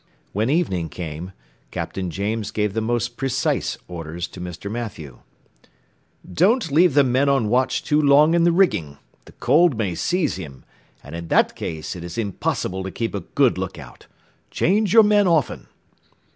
When evening came, Captain James gave the most precise orders to Mr. Mathew. "Don't leave the man on watch too long in the rigging; the cold may seize him, and in that case it is impossible to keep a good look out; change your men often."